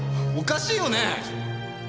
おかしいよね？